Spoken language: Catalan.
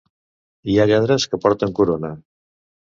Hi ha lladres que porten corona.